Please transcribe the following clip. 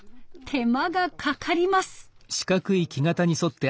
手間がかかります。